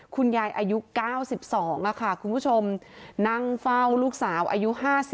คุณยายอายุ๙๒คุณผู้ชมนั่งเฝ้าลูกสาวอายุ๕๗